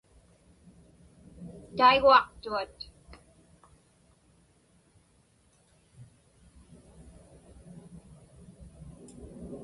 Taiguaqtuat.